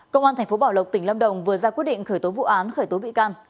công an tp bảo lộc tỉnh lâm đồng vừa ra quyết định khởi tố vụ án khởi tố bị can